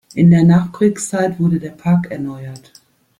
In der Nachkriegszeit wurde der Park erneuert.